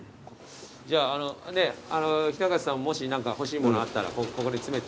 じゃああのね雛形さんももし何か欲しいものあったらここに詰めていただいて。